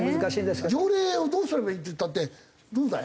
条例をどうすればいいって言ったってどうだい？